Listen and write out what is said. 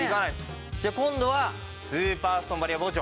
じゃあ今度はスーパーストーンバリア包丁。